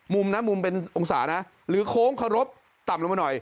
นะมุมเป็นองศานะหรือโค้งเคารพต่ำลงมาหน่อย